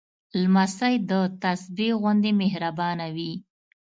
لمسی د تسبېح غوندې مهربانه وي.